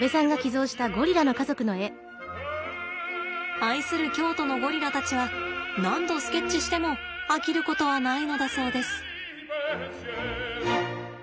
愛する京都のゴリラたちは何度スケッチしても飽きることはないのだそうです。